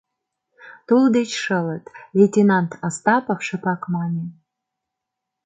«Тул деч шылыт», — лейтенант Остапов шыпак мане.